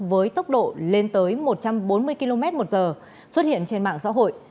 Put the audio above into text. với tốc độ lên tới một trăm bốn mươi km một giờ xuất hiện trên mạng xã hội